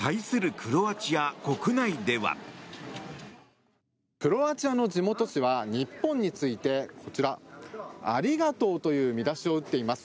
クロアチアの地元紙は日本についてこちら、ありがとうという見出しを打っています。